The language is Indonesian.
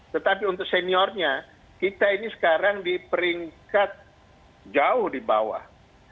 tetapi untuk seniornya kita ini sekarang di peringkat jauh di bawah